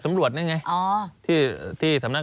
สำหรับสนุนโดยหวานได้ทุกที่ที่มีพาเลส